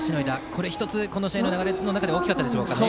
これ１つこの試合の流れの中で大きかったですかね。